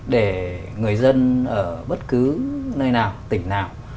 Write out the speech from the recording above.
để người dân ở bất cứ nơi nào tỉnh nào